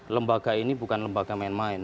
lembaga ini bukan lembaga main main